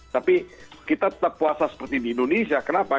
tapi kita tetap puasa seperti di indonesia kenapa